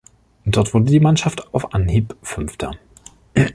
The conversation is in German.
Dort wurde die Mannschaft auf Anhieb Fünfter.